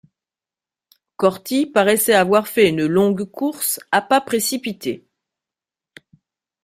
Corty paraissait avoir fait une longue course à pas précipités.